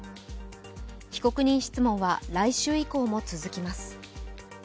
被告人質問は来週以降も続きます。